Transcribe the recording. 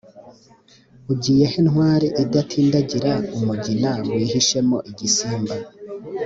ugiye he ntwari idatindagira umugina wihishemo igisimba....